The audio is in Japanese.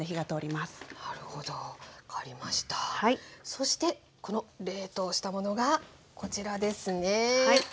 そしてこの冷凍したものがこちらですね。